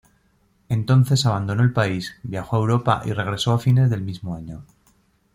Entonces abandonó el país, viajó a Europa y regresó a fines del mismo año.